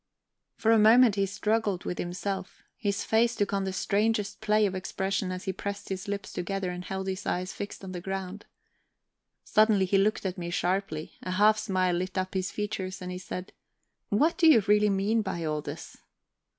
For a moment he struggled with himself; his face took on the strangest play of expression as he pressed his lips together and held his eyes fixed on the ground. Suddenly he looked at me sharply; a half smile lit up his features, and he said: "What do you really mean by all this?"